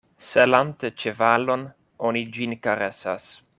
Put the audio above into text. Selante ĉevalon, oni ĝin karesas.